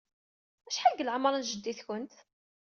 Acḥal deg leɛmeṛ n jeddi-tkent?